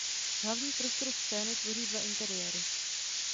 Hlavní prostor scény tvoří dva interiéry.